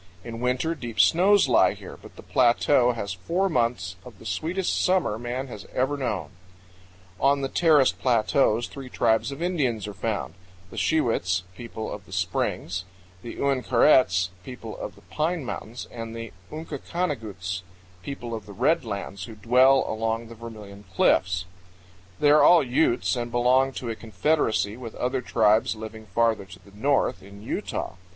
In winter deep snows lie here, but the plateau has four months of the sweetest summer man has ever known. On the terraced plateaus three tribes of Indians are found: the Shiwits ("people of the springs"), the Uinkarets ("people of the pine 103 powell canyons 63.jpg A MIDSUMMERDAY'S DREAM ON THE COLOB. 104 CANYONS OF THE COLORADO. mountains"), and the Unkakaniguts ("people of the red lands," who dwell along the Vermilion Cliffs). They are all Utes and belong to a confederacy with other tribes living farther to the north, in Utah.